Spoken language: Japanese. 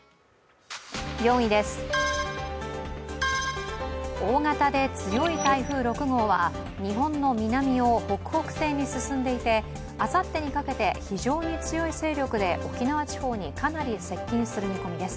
４位です、大型で強い台風６号は日本の南を北北西に進んでいてあさってにかけて非常に強い勢力で沖縄地方にかなり接近する見込みです。